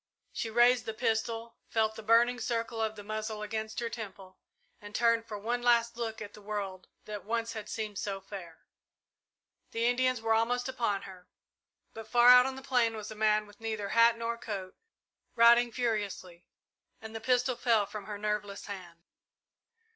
She raised the pistol, felt the burning circle of the muzzle against her temple, and turned for one last look at the world that once had seemed so fair. The Indians were almost upon her, but far out on the plain was a man with neither hat nor coat, riding furiously, and the pistol fell from her nerveless hand.